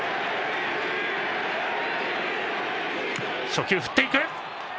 初球振っていく！